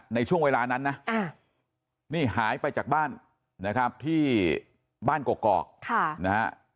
ในช่วงเวลานั้นนะนี่หายไปจากบ้านนะครับที่บ้านกอกนะฮะ